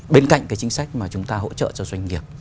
bên cạnh chính sách chúng ta hỗ trợ cho doanh nghiệp